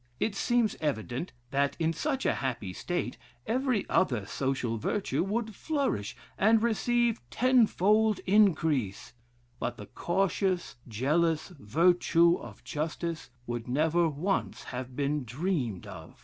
It seems evident, that, in such a happy state, every other social virtue would flourish, and receive tenfold increase; but the cautious, jealous virtue of justice, would never once have been dreamed of.